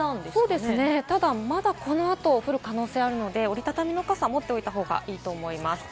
ただ、まだこのあと降る可能性があるので、折り畳みの傘、持っておいた方がいいと思います。